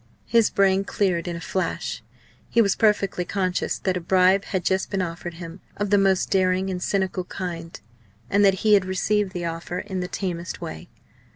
His brain cleared in a flash. He was perfectly conscious that a bribe had just been offered him, of the most daring and cynical kind, and that he had received the offer in the tamest way.